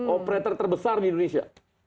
operator terbesar di indonesia